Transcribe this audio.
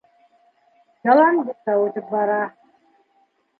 Яланбикә үтеп бара.